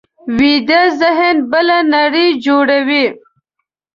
ویده ذهن بله نړۍ جوړوي